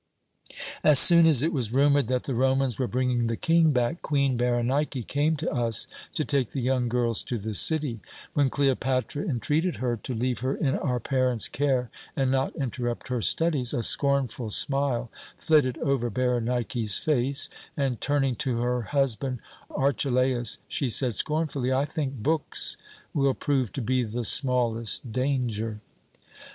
"As soon as it was rumoured that the Romans were bringing the King back, Queen Berenike came to us to take the young girls to the city. When Cleopatra entreated her to leave her in our parents' care and not interrupt her studies, a scornful smile flitted over Berenike's face, and turning to her husband Archelaus, she said scornfully, 'I think books will prove to be the smallest danger.'